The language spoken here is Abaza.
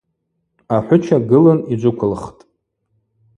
Ахӏвыча гылын йджвыквылхтӏ.